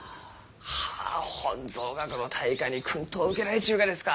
はあ本草学の大家に薫陶を受けられちゅうがですか！